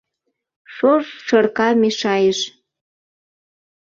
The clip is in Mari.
Шож шырка мешайыш.